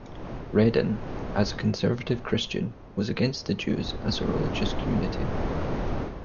Rhedin, as a conservative Christian, was against the Jews as a religious community.